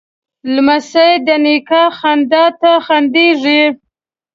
لمسی د نیکه خندا ته خندېږي.